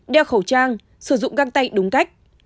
đeo khẩu trang sử dụng găng tay đúng cách